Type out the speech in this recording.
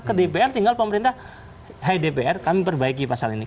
ke dpr tinggal pemerintah hai dpr kami perbaiki pasal ini